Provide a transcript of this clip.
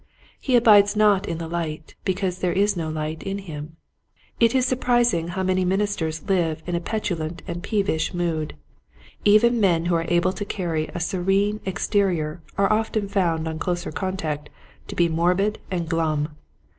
He abides not in the light because there is no light in him. It is surprising how many ministers live in a petulant and peevish mood. Even men who are able to carry a serene ex terior are often found on closer contact to be morbid and glum.